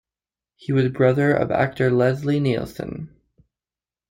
He was brother of actor Leslie Nielsen.